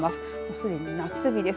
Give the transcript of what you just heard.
すでに夏日です。